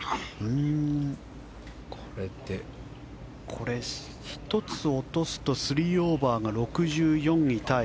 これ１つ落とすと３オーバーが６４位タイ。